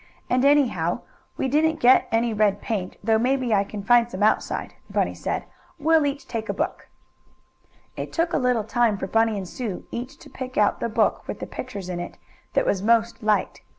"And, anyhow, we didn't get any red paint, though maybe I can find some outside," Bunny said. "We'll each take a book." It took a little time for Bunny and Sue each to pick out the book, with the pictures in it, that was most liked.